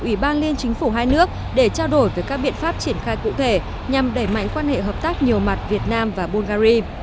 ủy ban liên chính phủ hai nước để trao đổi về các biện pháp triển khai cụ thể nhằm đẩy mạnh quan hệ hợp tác nhiều mặt việt nam và bungary